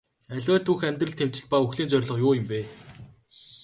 Аливаа түүх амьдрал тэмцэл ба үхлийн зорилго юу юм бэ?